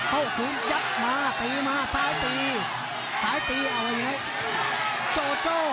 โก้คืนยัดมาไตมาซ้ายปีซ้ายปีเอาอะไรก็นี้โจโจ